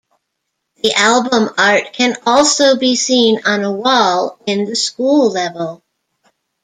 The album art can also be seen on a wall in the School level.